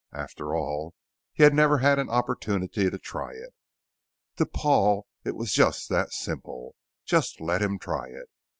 After all, he had never had an opportunity to try it. To Paul it was just that simple. Just let him try it.